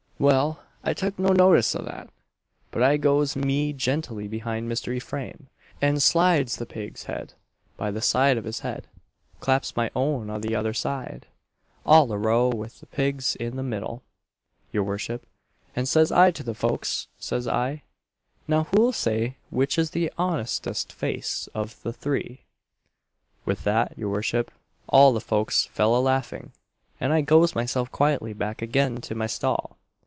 Well, I took no notice o' that, but I goes me gently behind Mr. Ephraim, and slides the pig's head by the side of his head, claps my own o' the other side all a row with the pig's i' the middle, your worship; and says I to the folks, says I, 'Now, who'll say which is the honestest face of the three?' With that, your worship, all the folks fell a laughing, and I goes myself quietly back again to my stall.